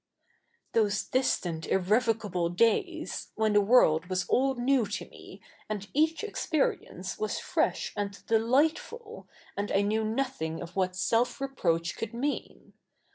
''' those distant irrevocable days, ivhen the world zvas all new to me, and each experience was fresh and delightful, and I knew nothing of what self reproach could jnean.